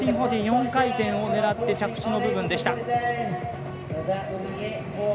１４４０、４回転を狙って着地の部分でした。